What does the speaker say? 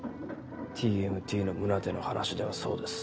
ＴＭＴの宗手の話ではそうです。